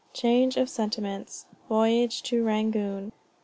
CHANGE OF SENTIMENTS. VOYAGE TO RANGOON. Mr.